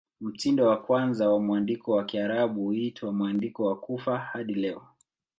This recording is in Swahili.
Mtindo wa kwanza wa mwandiko wa Kiarabu huitwa "Mwandiko wa Kufa" hadi leo.